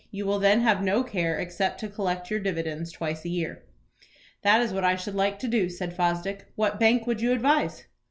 You will then have no care except to collect your dividends twice a year." "That is what I should like to do," said Fosdick. "What bank would you advise?"